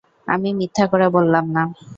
আমি মিথ্যা করে বললাম, না।